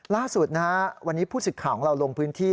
ล่าสุดนะฮะวันนี้ผู้สิทธิ์ข่าวของเราลงพื้นที่